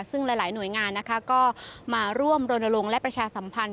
ซึ่งหลายหน่วยงานนะคะก็มาร่วมรณรงค์และประชาสัมพันธ์